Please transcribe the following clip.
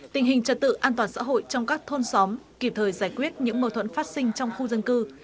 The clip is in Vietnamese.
tình hình trật tự an toàn xã hội trong các thôn xóm kịp thời giải quyết những mâu thuẫn phát sinh trong khu dân cư